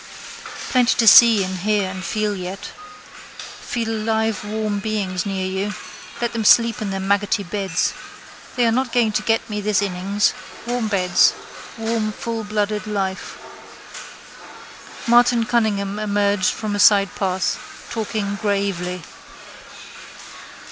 Plenty to see and hear and feel yet. Feel live warm beings near you. Let them sleep in their maggoty beds. They are not going to get me this innings. Warm beds: warm fullblooded life. Martin Cunningham emerged from a sidepath, talking gravely.